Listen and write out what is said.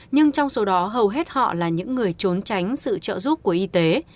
nhưng trong số đó hầu hết họ là những người trốn tránh sự trợ giúp của y tế